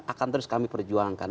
akan terus kami perjuangkan